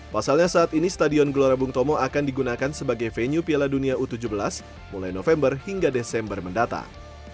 pasalnya saat ini stadion gelora bung tomo akan digunakan sebagai venue piala dunia u tujuh belas mulai november hingga desember mendatang